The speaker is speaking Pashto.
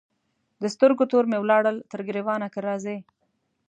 د سترګو تور مي ولاړل تر ګرېوانه که راځې